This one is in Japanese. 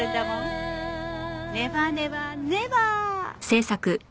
ネバネバネバー！